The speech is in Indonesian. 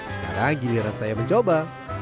sekarang giliran saya mencoba